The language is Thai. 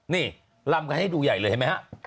นี่ลำกันให้ดูใหญ่เลยเห็นไหมฮะ